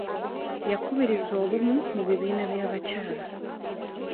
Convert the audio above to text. Yakubiriza obumu mu bibiina by'abakyala.